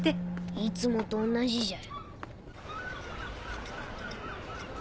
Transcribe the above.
いつもと同じじゃよ。